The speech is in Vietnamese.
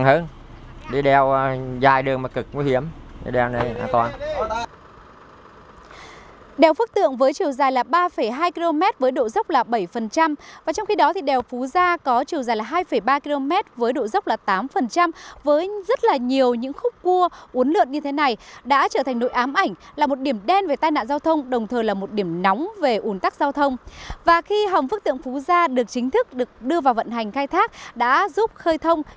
hành khai thác đã giúp khơi thông những điểm nghẽn trên đường đèo